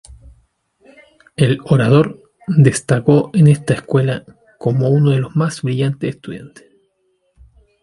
El orador destacó en esta escuela como uno de los más brillantes estudiantes.